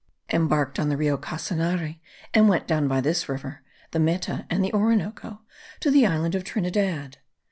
embarked on the Rio Casanare, and went down by this river, the Meta, and the Orinoco, to the island of Trinidad.